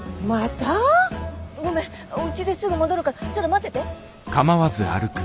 うちすぐ戻るからちょっと待ってて。